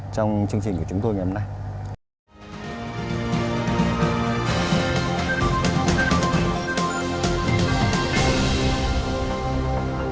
trong chương trình của chúng tôi ngày hôm nay